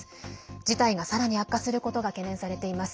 事態がさらに悪化することが懸念されています。